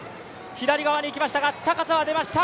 左側にいきましたが、高さは出ました、